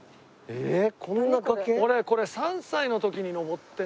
えっ？